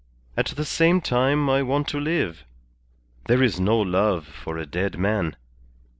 At the same time I want to live. There is no love for a dead man.